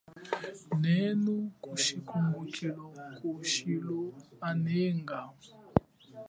Nehenu chikumbululo ku chikulo anehanga.